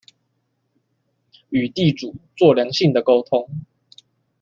與地主做良性的溝通